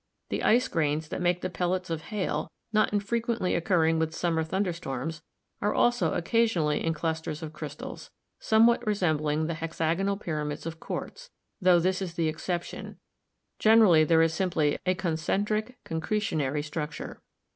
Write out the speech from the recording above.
The ice grains that make the pellets of hail, not infrequently occurring with summer thunder storms, are also occasionally in clusters of crystals, some what resembling the hexagonal pyramids of quartz, tho this is the exception; generally there is simply a concen tric concretionary structure.